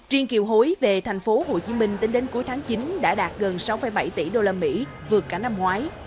riêng kiều hối về thành phố hồ chí minh tính đến cuối tháng chín đã đạt gần sáu bảy tỷ đô la mỹ vượt cả năm ngoái